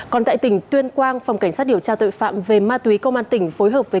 còn tại tỉnh tuyên quang phòng cảnh sát điều tra tội phạm về ma túy công an tỉnh phối hợp với